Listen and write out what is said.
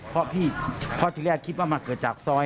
เพราะพี่เพราะที่แรกคิดว่ามาเกิดจากซอย